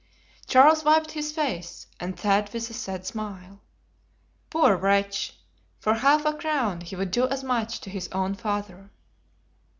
Charles wiped his face and said with a sad smile: "Poor wretch, for half a crown he would do as much to his own father."